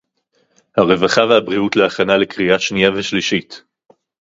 הרווחה והבריאות להכנה לקריאה שנייה ושלישית